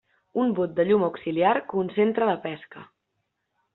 Un bot de llum auxiliar concentra la pesca.